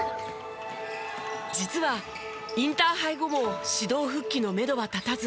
実はインターハイ後も指導復帰のめどは立たず。